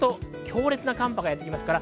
この雨の後、強烈な寒波がやってきます。